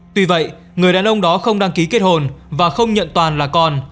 tuy vậy người đàn ông đó không đăng ký kết hồn và không nhận toàn là còn